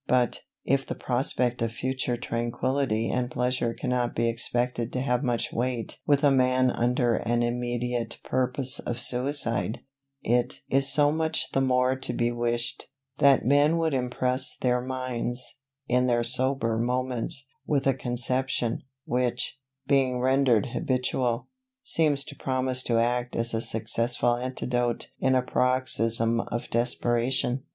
But, if the prospect of future tranquillity and pleasure cannot be expected to have much weight with a man under an immediate purpose of suicide, it is so much the more to be wished, that men would impress their minds, in their sober moments, with a conception, which, being rendered habitual, seems to promise to act as a successful antidote in a paroxysm of desperation.